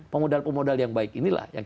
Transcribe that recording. pemodal pemodal yang baik inilah yang